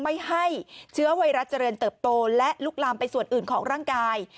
ไม่ให้เชื้อไวรัสเจริญเติบโตและลุกลามไปส่วนอื่นของร่างกาย